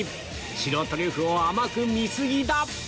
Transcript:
白トリュフを甘く見過ぎだ